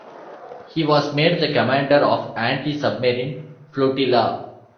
He was made the commander of an anti-submarine flotila.